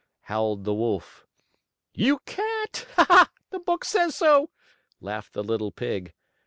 howled the wolf. "You can't! The book says so!" laughed the little pig.